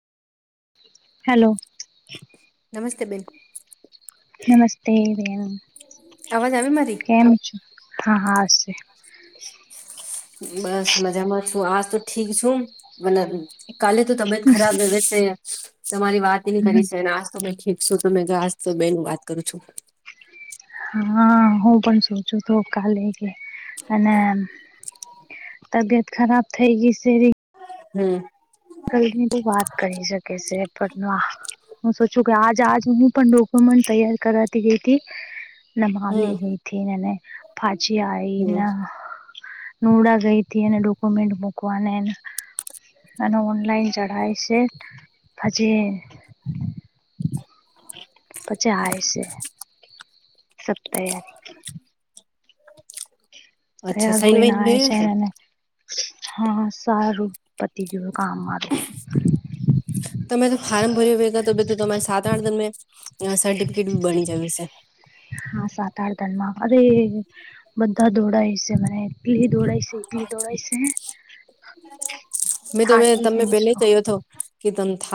Hello. નમસ્તે બેન. નમસ્તે બેન. આવાજ આવે મારી? કેમ છે હા હા હાશ છે. બસ મજામાં છું આજ તો ઠીક છું મને કાલે તો તબિયત ખરાબ લગ છે તમારી વાતની કરી છે અને આજ તો બેઠી શું તમે ઘાસ બે નું વાત કરું છું. હા, હું પણ સોચું છું કાલે તે અને એમ તબિયત ખરાબ થઈ ગઈ છે રિ હમ્મ. કહી ની ભી વાત કરી શકે છે પટવા હું સોચું કે આજ આજ હું પણ ડોક્યુમેન્ટ તૈયાર કરાતી ગઈ તી. નભાવ હમ લી ગઈ હતી એને પાછી આઈ હમ ના નુડા ગઈથી એને ડોક્યુમેન્ટ મુકવાના ને એને અને ઓનલાઇન ચળાય છે ભજે પછાય છે. [inaudible] સબ તૈયારી [inaudible] અચ્છા તૈયાર સાઈન હોઈને વાઈન આવે લિયે લી છે એને હા સારું પતી ગયુ કામ મારુ તમે તો ફારર્મ ભર્યો [unintelligible] ભેગા તો તો તમારે સાત આઠ દિન મેં સર્ટિફિકેટ બી બની જયું છે હા સાત આઠ દન માં અરે બધા દોડાય શે મને એટલી દોડાય શે જેટલી દોડાય છે મેં તો થાકી તમે ગઈ પેલે છું કહ્યો હતો કે તને થા